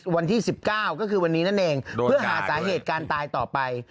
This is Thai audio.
เพื่อหาสาเหตุการตายต่อไป